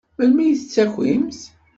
Melmi ay d-tettakimt?